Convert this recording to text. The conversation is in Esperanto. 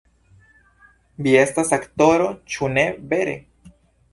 Vi estas aktoro, ĉu ne vere?